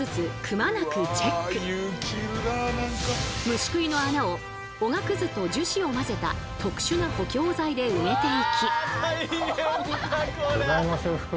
虫食いの穴をおがくずと樹脂を混ぜた特殊な補強材で埋めていき。